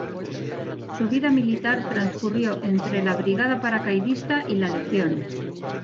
Su vida militar transcurrió entre la Brigada Paracaidista y La Legión.